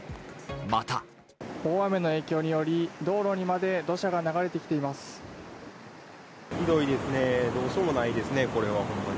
また大雨の影響により道路にまで土砂が流れてきています。